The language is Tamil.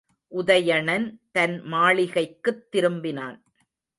உதயணன் தன் மாளிகைக்குத் திரும்பினான்.